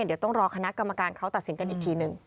เดี๋ยวต้องรอคณะกรรมการเขาตัดสินกันอีกทีหนึ่ง